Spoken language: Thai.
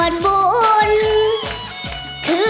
โมโฮโมโฮโมโฮ